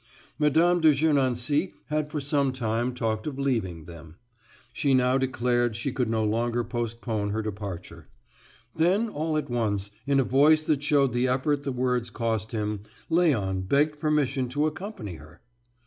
Mme. de Gernancé had for some time talked of leaving them; she now declared she could no longer postpone her departure. Then, all at once, in a voice that showed the effort the words cost him, Léon begged permission to accompany her.